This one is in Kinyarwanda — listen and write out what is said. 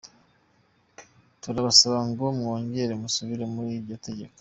Turabasaba ngo mwongere musubire muri iryo tegeko.